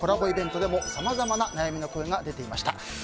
イベントでもさまざまな悩みの声が出ていました。